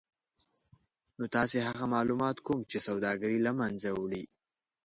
نو تاسې هغه مالومات کوم چې سوداګري له منځه وړلای